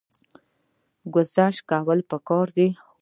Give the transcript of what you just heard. ګذشت کول پکار دي